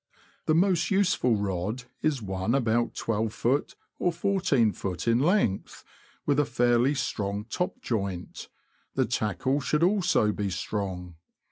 The most useful rod is one about 12ft. or 14ft. in length, with a fairly strong top joint; the tackle should also be strong.